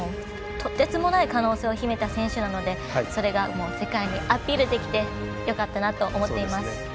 とてつもない可能性を秘めた選手なのでそれが世界にアピールできてよかったなと思っています。